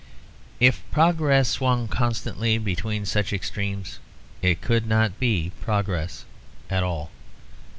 If progress swung constantly between such extremes it could not be progress at all.